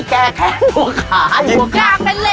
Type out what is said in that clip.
แก้แค้นหัวขา